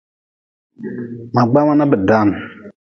Ma gbama na bi dan.